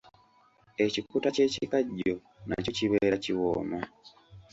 Ekikuta ky’ekikajjo nakyo kibeera kiwooma.